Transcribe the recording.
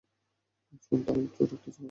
শোন, তার উচ্চ রক্তচাপ আছে।